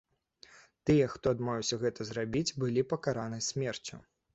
Тыя, хто адмовіўся гэта зрабіць, былі пакараны смерцю.